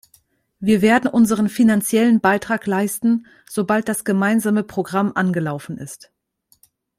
Wir werden unseren finanziellen Beitrag leisten, sobald das gemeinsame Programm angelaufen ist.